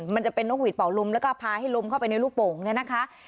มันจะเป็นนกหวีดเป่าลมแล้วก็พาให้ลมเข้าไปในลูกโป่งเนี่ยนะคะ